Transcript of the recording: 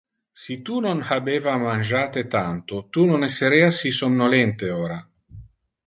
Si tu non habeva mangiate tanto, tu non esserea si somnolente ora.